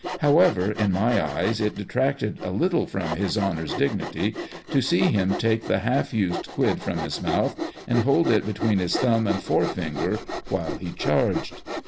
However, in my eyes it detracted a little from his honour's dignity, to see him take the half used quid from his mouth and hold it between his thumb and forefinger, while he charged.